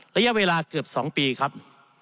ระยะเวลาเกือบ๒ปีครับ